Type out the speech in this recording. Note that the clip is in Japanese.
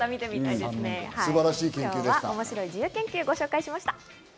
今日は面白い自由研究をご紹介しました。